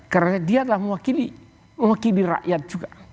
karena dia adalah mewakili rakyat juga